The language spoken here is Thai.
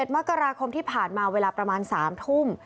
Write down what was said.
มกราคมที่ผ่านมาเวลาประมาณ๓ทุ่ม